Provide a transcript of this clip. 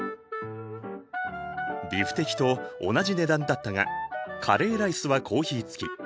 ビフテキと同じ値段だったがカレーライスはコーヒー付き。